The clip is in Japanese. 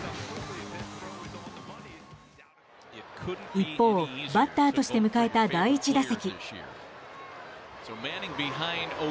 一方、バッターとして迎えた第１打席。